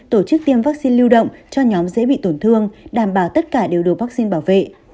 tổ chức tiêm vaccine lưu động cho nhóm dễ bị tổn thương đảm bảo tất cả đều đủ vaccine bảo vệ